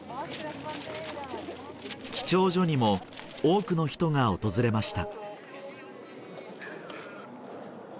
記帳所にも多くの人が訪れました